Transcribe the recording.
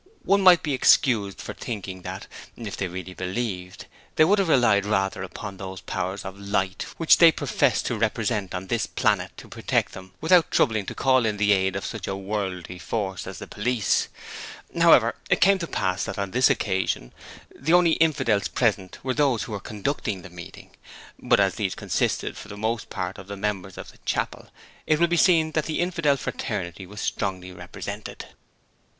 One might be excused for thinking that if they really believed they would have relied rather upon those powers of Light which they professed to represent on this planet to protect them without troubling to call in the aid of such a 'worldly' force as the police. However, it came to pass that on this occasion the only infidels present were those who were conducting the meeting, but as these consisted for the most part of members of the chapel, it will be seen that the infidel fraternity was strongly represented.